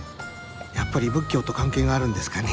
やっぱり仏教と関係があるんですかね。